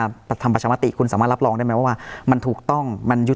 แต่การทำประชามาตรีคุณสามารถรับรองได้ไหมว่ามันถูกต้อง